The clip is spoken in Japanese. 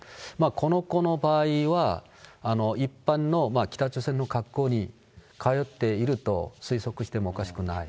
この子の場合は、一般の、北朝鮮の学校に通っていると推測してもおかしくない。